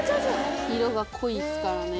色が濃いですからね。